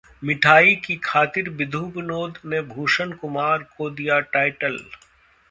मिठाई की खातिर विधु विनोद ने भूषण कुमार को दिया टाइटल